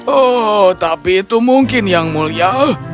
oh tapi itu mungkin yang mulia